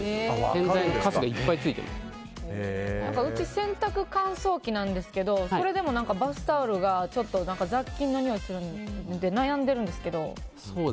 洗剤のカスがうち、洗濯乾燥機なんですけどそれでもバスタオルが雑菌のにおいがするので悩んでるんですけど。